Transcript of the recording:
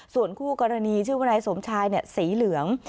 ส่วนคู่กรณีชื่อวนายสมชายสีเหลือง